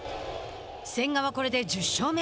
千賀はこれで１０勝目。